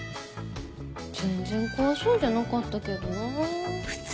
全然怖そうじゃなかったけどなぁ。